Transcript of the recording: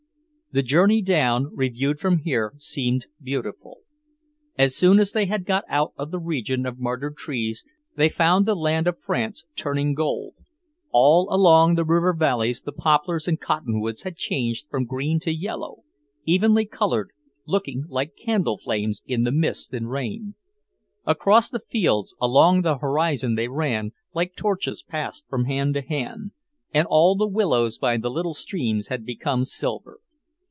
The journey down, reviewed from here, seemed beautiful. As soon as they had got out of the region of martyred trees, they found the land of France turning gold. All along the river valleys the poplars and cottonwoods had changed from green to yellow, evenly coloured, looking like candle flames in the mist and rain. Across the fields, along the horizon they ran, like torches passed from hand to hand, and all the willows by the little streams had become silver.